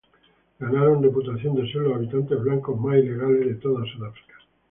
Ganaron reputación de ser los habitantes blancos más ilegales en toda Sudáfrica.